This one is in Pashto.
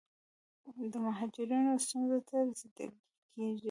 د مهاجرینو ستونزو ته رسیدګي کیږي.